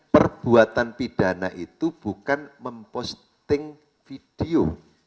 perbuatan pidana itu bukan memposting video